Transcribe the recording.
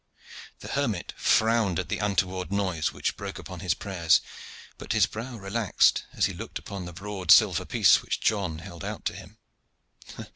The hermit frowned at the untoward noise which broke upon his prayers, but his brow relaxed as he looked upon the broad silver piece which John held out to him.